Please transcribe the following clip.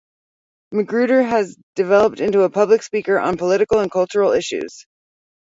McGruder has developed into a public speaker on political and cultural issues.